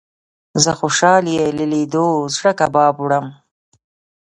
زه خوشال يې له ليدلو زړه کباب وړم